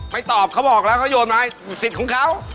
ตอบเขาบอกแล้วเขาโยนมาให้สิทธิ์ของเขา